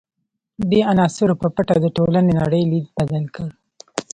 دې عناصرو په پټه د ټولنې نړۍ لید بدل کړ.